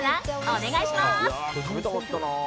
お願いします。